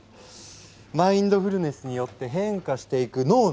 マインドフルネスによって変化していく脳内